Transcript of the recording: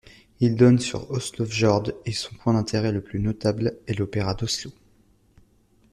Il donne sur l'Oslofjord et son point d'intérêt le plus notable est l'Opéra d'Oslo.